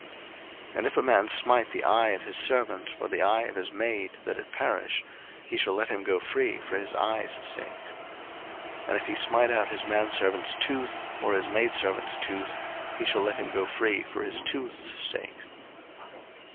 02:021:026 And if a man smite the eye of his servant, or the eye of his maid, that it perish; he shall let him go free for his eye's sake. 02:021:027 And if he smite out his manservant's tooth, or his maidservant's tooth; he shall let him go free for his tooth's sake.